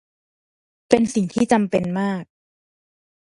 เป็นสิ่งที่จำเป็นมาก